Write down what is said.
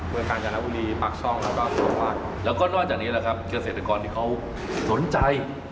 เมืองกาลจานละบุรีปักช่องแล้วก็แล้วก็นอกจากนี้แหละครับเกษตรกรที่เขาสนใจ